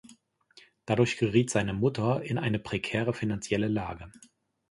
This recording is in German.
Dadurch geriet seine Mutter in eine prekäre finanzielle Lage.